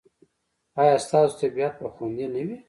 ایا ستاسو طبیعت به خوندي نه وي؟